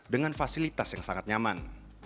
dengan fasilitas yang lebih baik